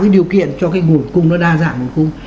cái điều kiện cho cái nguồn cung nó đa dạng